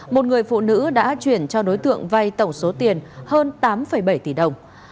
một người phụ nữ đã chuyển cho đối tượng vay tổng số tiền hơn tám bảy tỷ đồng